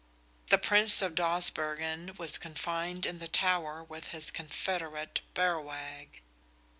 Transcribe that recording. The Prince of Dawsbergen was confined in the Tower with his confederate, Berrowag.